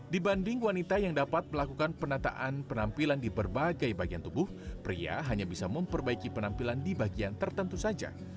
dibanding wanita yang dapat melakukan penataan penampilan di berbagai bagian tubuh pria hanya bisa memperbaiki penampilan di bagian tertentu saja